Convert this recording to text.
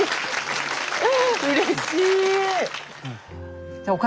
うれしい！